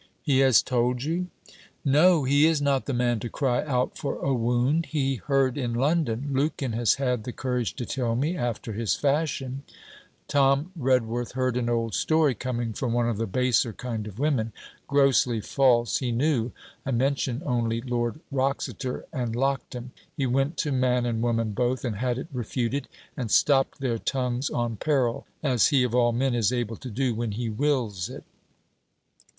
'He has told you?' 'No. He is not the man to cry out for a wound. He heard in London Lukin has had the courage to tell me, after his fashion: Tom Redworth heard an old story, coming from one of the baser kind of women: grossly false, he knew. I mention only Lord Wroxeter and Lockton. He went to man and woman both, and had it refuted, and stopped their tongues, on peril; as he of all men is able to do when he wills it.'